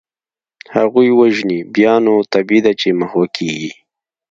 هغوی وژني، بیا نو طبیعي ده چي محوه کیږي.